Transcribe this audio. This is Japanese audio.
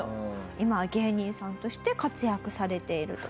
今は芸人さんとして活躍されていると。